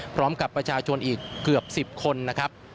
พร้อมกับประชาชนอีกเกือบ๑๐คนนะครับ